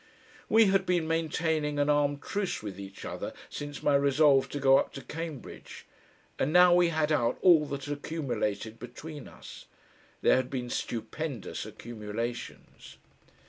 We had been maintaining an armed truce with each other since my resolve to go up to Cambridge, and now we had out all that had accumulated between us. There had been stupendous accumulations....